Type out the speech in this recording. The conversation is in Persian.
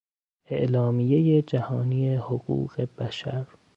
اعلامیهی جهانی حقوق بشر